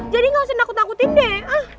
jadi gak usah nakut nakutin deh